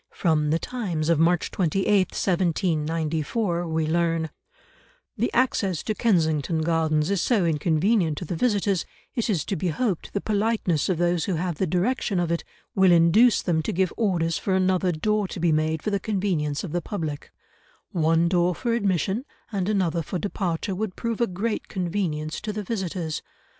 From The Times of March 28, 1794, we learn, "the access to Kensington Gardens is so inconvenient to the visitors, it is to be hoped the politeness of those who have the direction of it will induce them to give orders for another door to be made for the convenience of the public; one door for admission, and another for departure would prove a great convenience to the visitors.